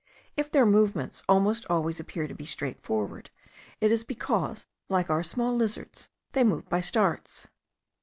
If their movements almost always appear to be straight forward, it is because, like our small lizards, they move by starts.